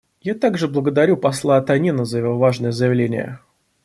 Я также благодарю посла Танина за его важное заявление.